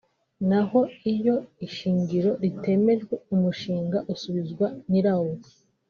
n’aho iyo ishingiro ritemejwe umushinga usubizwa nyirawo